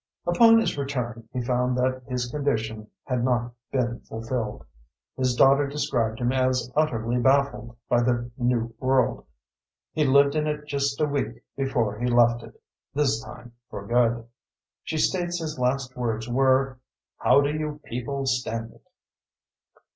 Upon his return, he found that his condition had not been fulfilled. His daughter described him as utterly baffled by the new world. He lived in it just a week before he left it, this time for good. She states his last words were, "How do you people stand it?"